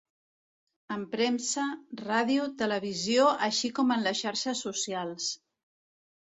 En premsa, ràdio, televisió així com en les xarxes socials.